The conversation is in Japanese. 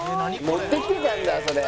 持ってきてたんだそれ。